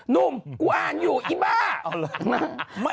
หนุ่มกูอ่านอยู่อีบ้า